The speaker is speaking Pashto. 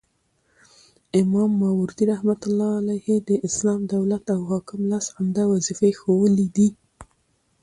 امام ماوردي رحمه الله د اسلامي دولت او حاکم لس عمده وظيفي ښوولي دي